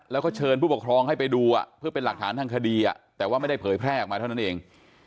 แล้วก็เชิญผู้ปกครองให้ไปดูเพื่อเป็นหลักฐานทางคดีแต่ว่าไม่ได้เผยแพร่ออกมาเท่านั้นเอง